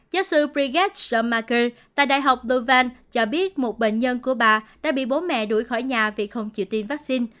giáo sư brigitte schumacher tại đại học leuven cho biết một bệnh nhân của bà đã bị bố mẹ đuổi khỏi nhà vì không chịu tiêm vaccine